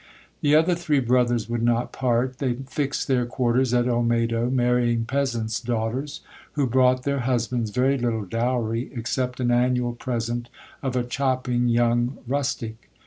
The other three brothers would not part ; they fixed their quarters at Olmedo, marrying peasants' daughters, who brought their husbands very little dowry, except an annual present of a chopping young rustic.